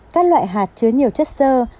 các loại hạt chứa nhiều chất sơ